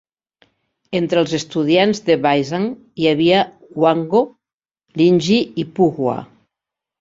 Entre els estudiants de Baizhang hi havia Huangbo, Linji i Puhua.